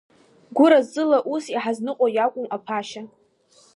Гәыразыла ус иҳазныҟәо иакәым аԥашьа.